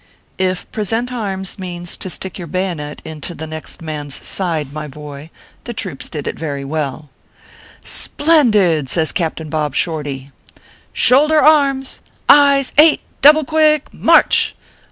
Tf Present Arms means to stick your bayonet into the next man s side, my boy, the troops did it very well. 328 OKPHEUS C. KERR PAPERS. " Splendid !" says Captain Bob Shorty. " Shoulder Arms Eyes Eight Double quick, March